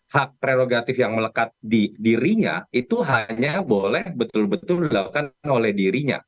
hak prerogatif yang melekat di dirinya itu hanya boleh betul betul dilakukan oleh dirinya